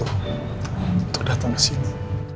untuk datang kesini